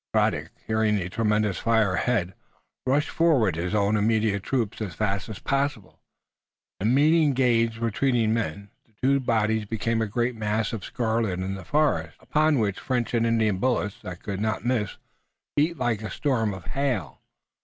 Braddock, hearing the tremendous fire ahead, rushed forward his own immediate troops as fast as possible, and meeting Gage's retreating men, the two bodies became a great mass of scarlet in the forest, upon which French and Indian bullets, that could not miss, beat like a storm of hail.